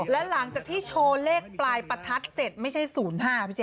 และหลังจากที่โชว์เลขปลายประทัดเสร็จไม่ใช่๐๕พี่แ